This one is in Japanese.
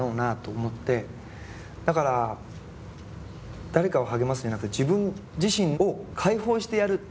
だから誰かを励ますんじゃなくて自分自身を解放してやる。